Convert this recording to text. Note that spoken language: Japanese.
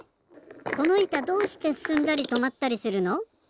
このいたどうしてすすんだりとまったりするの？